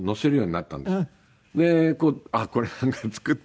でこうあっこれなんか作って。